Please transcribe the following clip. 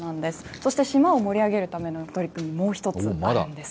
そして、島を盛り上げるための取り組み、もう１つあるんです。